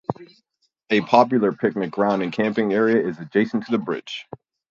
A popular picnic ground and camping area is adjacent to the bridge.